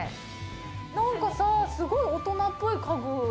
なんかさすごい大人っぽい家具。